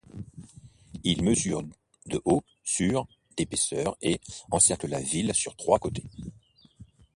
Ils mesurent de haut sur d'épaisseur et encerclent la ville sur trois côtés.